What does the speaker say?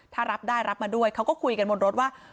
ถ้ารับได้รับมาด้วยเขาก็คุยกันบนรถว่า